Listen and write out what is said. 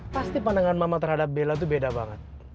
pasti pandangan mama terhadap bella itu beda banget